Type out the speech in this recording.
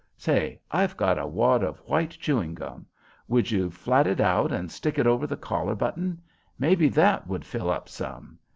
Say! I've got a wad of white chewing gum; would you flat it out and stick it over the collar button? Maybe that would fill up some.